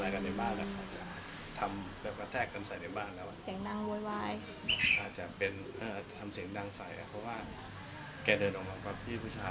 เพราะว่าแกเดินลงมาเพื่อนพี่ผู้ชาย